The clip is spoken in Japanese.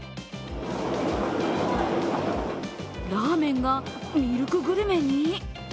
ラーメンがミルクグルメに？